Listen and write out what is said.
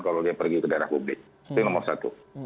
kalau dia pergi ke daerah publik itu nomor satu